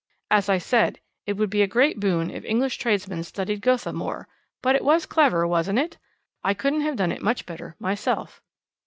As I said, it would be a great boon if English tradesmen studied Gotha more; but it was clever, wasn't it? I couldn't have done it much better myself."